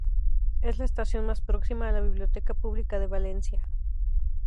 Es la estación más próxima a la Biblioteca Pública de Valencia.